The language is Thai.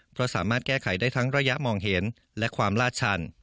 เพราะสามารถแก้ไขได้ทั้งระยะมองเห็นและความลาดชัน